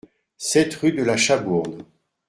sept rue de la Chabourne